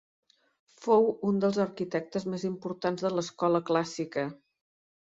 Fou un dels arquitectes més importants de l'escola clàssica.